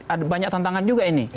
ada banyak tantangan juga ini